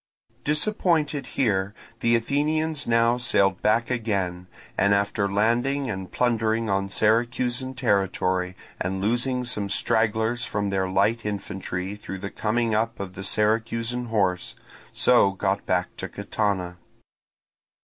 Disappointed here, the Athenians now sailed back again, and after landing and plundering on Syracusan territory and losing some stragglers from their light infantry through the coming up of the Syracusan horse, so got back to Catana.